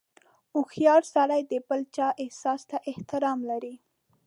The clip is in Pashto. • هوښیار سړی د بل چا احساس ته احترام لري.